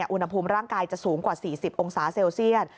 อุณหภูมิร่างกายจะสูงกว่า๔๐องศาเซลเซียต